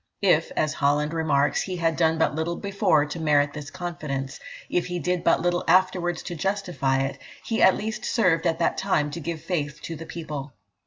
"If," as Holland remarks, "he had done but little before to merit this confidence, if he did but little afterwards to justify it, he at least served at that time to give faith to the people."